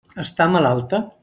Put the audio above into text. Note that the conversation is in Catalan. Està malalta?